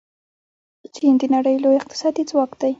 چین د نړۍ لوی اقتصادي ځواک دی.